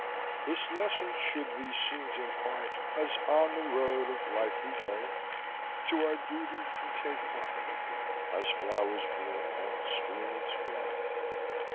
This lesson should these scenes impart As on the road of life we go, To do our duty and take heart, As flowers bloom and streamlets flow.